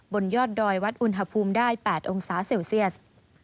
บนยอดดอยวัดอุณหภูมิได้๘องศาเซลเซียส